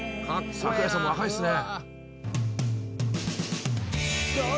「桜井さんも若いっすね」